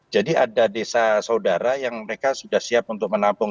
jadi ada desa saudara yang mereka sudah siap untuk menabung